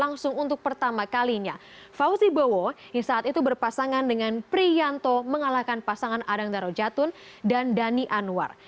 langsung untuk pertama kalinya fauzi bowo yang saat itu berpasangan dengan priyanto mengalahkan pasangan adang daro jatun dan dhani anwar